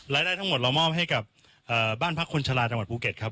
รายได้ทั้งหมดเรามอบให้กับบ้านพักคนชะลาจังหวัดภูเก็ตครับ